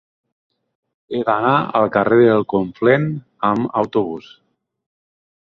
He d'anar al carrer del Conflent amb autobús.